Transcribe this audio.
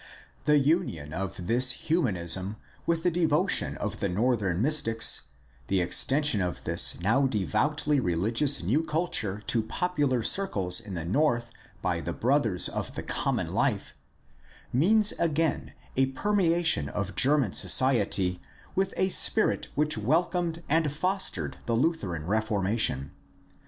' The union of this Humanism with the devotion of the northern mystics, the extension of this now devoutly religious new culture to popular circles in the North by the Brothers of the Common Life, means again a permeation of German society DEVELOPMENT OF THE CATHOLIC CHURCH 353 with a spirit which welcomed and fostered the Lutheran Reformation.